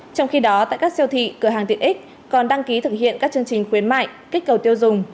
trong khi đó tại các siêu thị cửa hàng tiện ích còn đăng ký thực hiện các chương trình khuyến mại kích cầu tiêu dùng